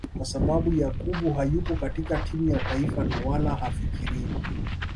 Kwa sababu Yakubu hayupo katika timu ya taifa na wala hafikiriwi